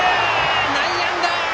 内野安打！